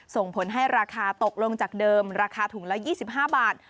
ส่งผลให้ราคาตกลงจากเดิมราคาถุงละ๒๕บาท